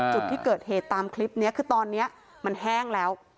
จุดที่เกิดเหตุตามคลิปนี้คือตอนนี้มันแห้งแล้ว